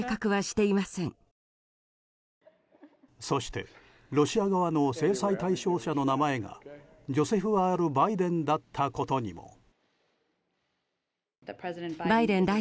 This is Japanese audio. そしてロシア側の制裁対象者の名前がジョセフ・Ｒ・バイデンだったことにも。